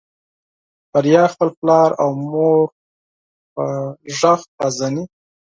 بريا خپل پلار او مور په غږ پېژني.